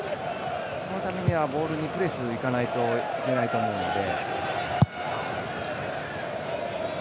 そのためにはボールにプレスにいかないといけないと思うので。